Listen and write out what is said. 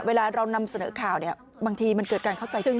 เวลาเรานำเสนอข่าวเนี่ยบางทีมันเกิดการเข้าใจผิด